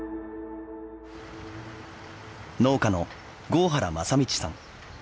農家の郷原雅道さん。